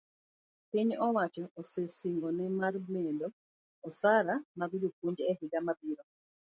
piny owacho osesingore mar medo osara mag jopuonj e higa mabiro